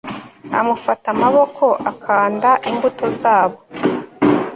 Amufata amaboko akanda imbuto zabo